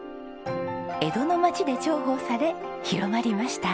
江戸の町で重宝され広まりました。